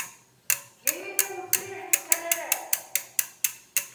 Һин мине үлтерәһең, Сәмәрә!